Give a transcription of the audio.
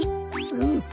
うん。